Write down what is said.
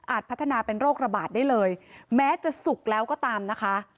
พัฒนาเป็นโรคระบาดได้เลยแม้จะสุกแล้วก็ตามนะคะ